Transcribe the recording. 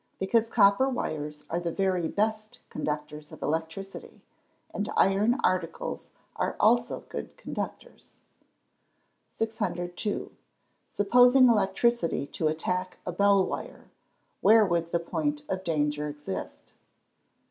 _ Because copper wires are the very best conductors of electricity; and iron articles are also good conductors. 602. _Supposing electricity to attack a bell wire, where would the point of danger exist?